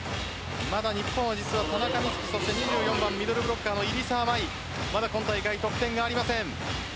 まだ、日本は実は田中瑞稀２４番、ミドルブロッカーの入澤まい今大会、得点がありません。